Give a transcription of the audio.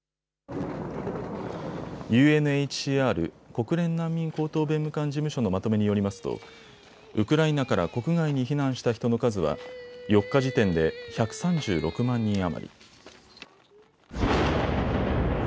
ＵＮＨＣＲ・国連難民高等弁務官事務所のまとめによりますとウクライナから国外に避難した人の数は４日時点で１３６万人余り。